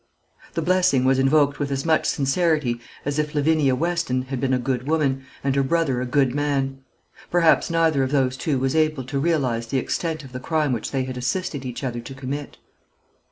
The blessing was invoked with as much sincerity as if Lavinia Weston had been a good woman, and her brother a good man. Perhaps neither of those two was able to realise the extent of the crime which they had assisted each other to commit.